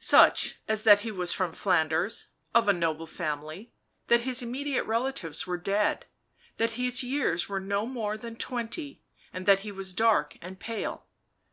Such as that he was from Flanders, •of a noble family, that his immediate relatives were dead, that his years were no more than twenty, and that he was dark and pale.